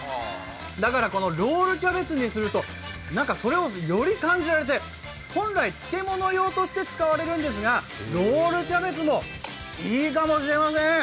だから、ロールキャベツにするとそれをより感じられて本来、漬物用として使われるんですがロールキャベツもいいかもしれません。